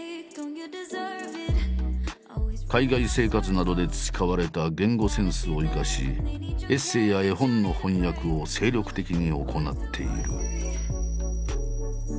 海外生活などで培われた言語センスを生かしエッセーや絵本の翻訳を精力的に行っている。